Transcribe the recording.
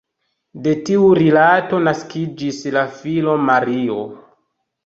De tiu rilato naskiĝis la filo Mario.